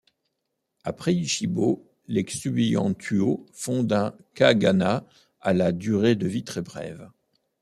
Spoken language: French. Après Yishibo, les Xueyantuo fondent un Khaganat à la durée de vie très brève.